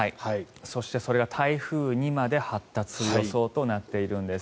そしてそれが台風にまで発達する予想となっているんです。